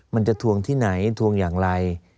มันจะทวงที่ไหนทวงอย่างไร